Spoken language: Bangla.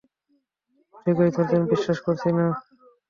ঠিকই ধরেছেন, বিশ্বাস করছি না।